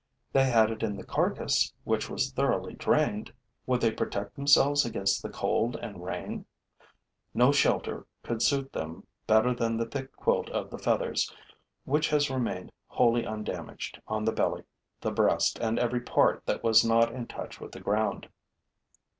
They had it in the carcass, which was thoroughly drained. Would they protect themselves against the cold and rain? No shelter could suit them better than the thick quilt of the feathers, which has remained wholly undamaged on the belly, the breast and every part that was not in touch with the ground.